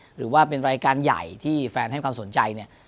หรือว่าเป็นรายการใหญ่ที่แฟนให้ความสนใจเนี่ย